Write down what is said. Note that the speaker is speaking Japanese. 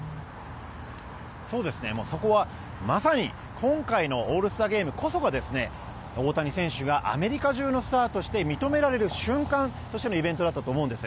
そこは、まさに今回のオールスターゲームこそが大谷選手がアメリカ中のスターとして認められる瞬間としてのイベントだったと思うんです。